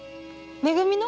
め組の？